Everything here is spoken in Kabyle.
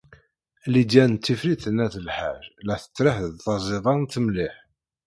Lidya n Tifrit n At Lḥaǧ la tettraḥ d taẓidant mliḥ.